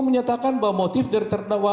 menyatakan bahwa motif dari terdakwa